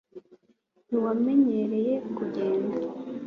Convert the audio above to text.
ntiwanyemereye kugenda